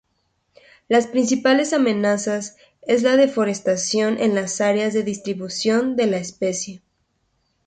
Las principales amenazas es la deforestación en las áreas de distribución de la especie.